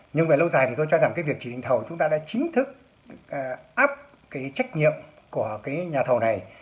nhưng về lâu dài thì tôi cho rằng việc chỉ định thầu chúng ta đã chính thức áp trách nhiệm của nhà thầu này